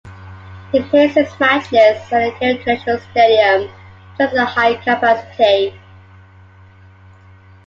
It plays its matches at the Cairo international stadium which has a high capacity.